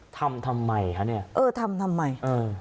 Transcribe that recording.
ทำทำไมคะเนี่ยเออทำทำไมเออ